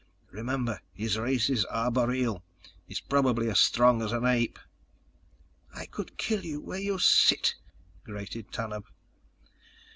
Remember, his race is arboreal. He's probably as strong as an ape."_ "I could kill you where you sit!" grated Tanub.